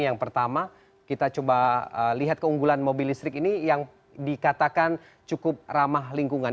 yang pertama kita coba lihat keunggulan mobil listrik ini yang dikatakan cukup ramah lingkungan